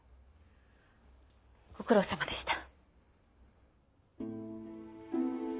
ご苦労さまでした。